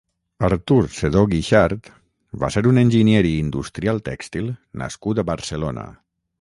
Artur Sedó Guixart va ser un enginyer i industrial tèxtil nascut a Barcelona.